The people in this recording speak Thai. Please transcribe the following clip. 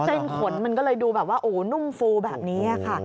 เส้นขนมันก็เลยดูแบบว่านุ่มฟูแบบนี้ค่ะ